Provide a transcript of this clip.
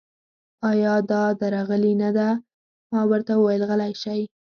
ایا دا درغلي نه ده؟ ما ورته وویل: غلي شئ.